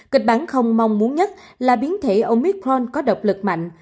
kịch bản không mong muốn nhất là biến thể omicron có độc lực mạnh